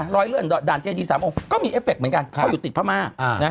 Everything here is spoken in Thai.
เลื่อนด่านเจดี๓องค์ก็มีเอฟเคเหมือนกันเขาอยู่ติดพม่า